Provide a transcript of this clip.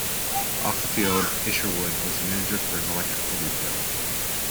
Off the field Isherwood was a manager for an electrical retailer.